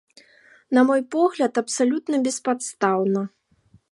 На мой погляд, абсалютна беспадстаўна.